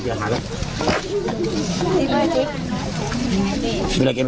อีกกูหนาวแทนว่ะ